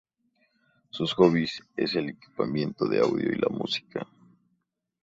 Sus hobbies es el equipamiento de audio y la música.